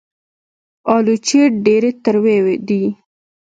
الوچې ډېرې تروې دي